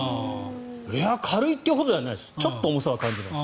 いや、軽いというほどではないちょっと重さは感じます。